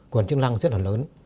quần chương lăng rất là lớn